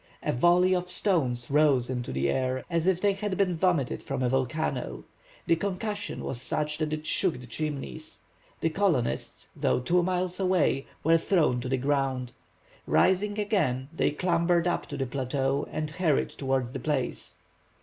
A volley of stones rose into the air as if they had been vomited from a volcano. The concussion was such that it shook the Chimneys. The colonists, though two miles away, were thrown to the ground. Rising again, they clambered up to the plateau and hurried towards the place.